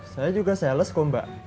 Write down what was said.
saya juga sales kok mbak